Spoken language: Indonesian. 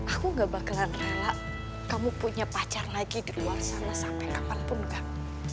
aku gak bakalan rela kamu punya pacar lagi di luar sana sampai kapanpun kan